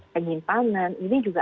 penyimpanan ini juga